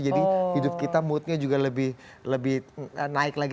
jadi hidup kita moodnya juga lebih naik lagi